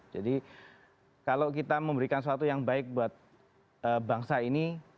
jadi kalau kita memberikan sesuatu yang baik buat bangsa ini